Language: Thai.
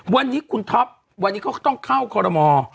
วันนี้คุณท็อปวันนี้ก็ต้องเข้ากรมศาสตร์